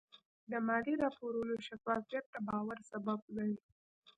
د مالي راپورونو شفافیت د باور سبب دی.